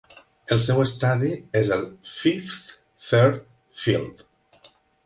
El seu estadi és el Fifth Third Field.